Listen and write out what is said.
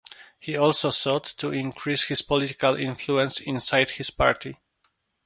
He also sought to increase his political influence inside his party.